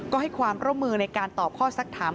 ก็ให้ความร่วมมือในการตอบข้อสักถาม